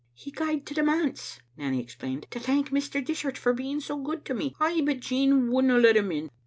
" He gaed to the manse," Nanny explained, "to thank Mr. Dishart for being so good to me. Ay, but Jean wouldna let him in.